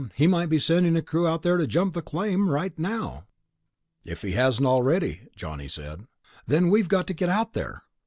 he might be sending a crew out to jump the claim right now." "If he hasn't already," Johnny said. "Then we've got to get out there."